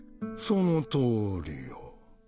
そのとおりよ！